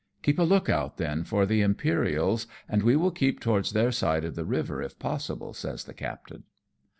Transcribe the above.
" Keep a look out, then, for the Imperials, and we will keep towards their side of the river if possible," says the captain.